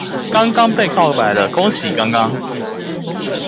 剛剛被告白了，恭喜剛剛